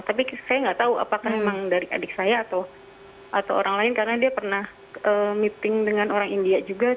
tapi saya nggak tahu apakah memang dari adik saya atau orang lain karena dia pernah meeting dengan orang india juga